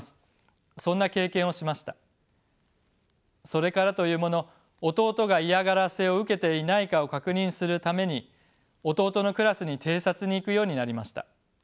それからというもの弟が嫌がらせを受けていないかを確認するために弟のクラスに偵察に行くようになりました。